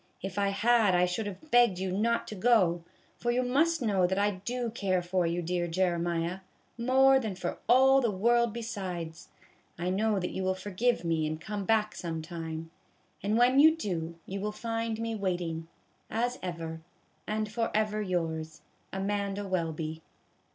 If I had I should have begged you not to go, for you must know that I do care for you, dear Jeremiah, more than for all the world besides. I know that you will forgive me and come back some time ; and when you do, you will find me waiting, as ever, and forever yours, AMANDA WELBY.